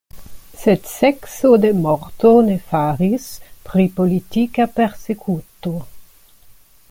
Sed sekco de morto ne faris pri politika persekuto.